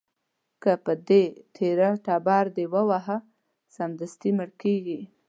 که په دې تېره تبر دې وواهه، سمدستي مړ کېږي.